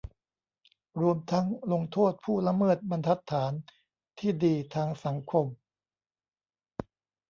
รวมทั้งลงโทษผู้ละเมิดบรรทัดฐานที่ดีทางสังคม